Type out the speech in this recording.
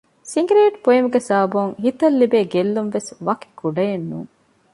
ސިނގިރޭޓު ބުއިމުގެ ސަބަބުން ހިތަށް ލިބޭ ގެއްލުންވެސް ވަކި ކުޑައެއް ނޫން